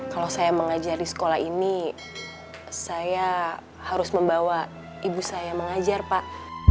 kalau saya mengajari sekolah ini saya harus membawa ibu saya mengajar pak